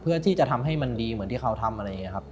เพื่อที่จะทำให้มันดีเหมือนที่เขาทำอะไรอย่างนี้ครับ